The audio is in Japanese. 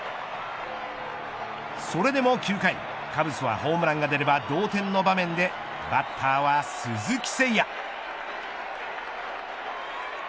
それでも９回カブスは、ホームランが出れば同点の場面でバッターは鈴木誠也。